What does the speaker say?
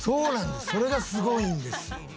それがすごいんですよ」